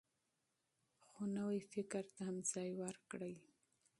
خو نوي فکر ته هم ځای ورکړئ.